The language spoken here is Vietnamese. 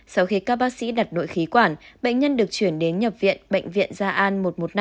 sau khi các bác sĩ đặt nội khí quản bệnh nhân được chuyển đến nhập viện bệnh viện gia an một trăm một mươi năm